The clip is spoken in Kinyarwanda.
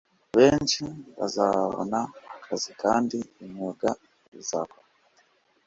benshi bazabona akazi kandi imyuga izakorwa